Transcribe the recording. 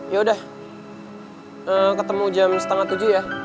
yaudah ketemu jam setengah tujuh ya